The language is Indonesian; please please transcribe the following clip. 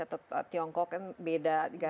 atau tiongkok kan beda